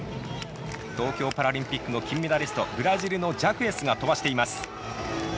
東京パラリンピックの金メダリスト、ブラジルのジャクエスが飛ばしています。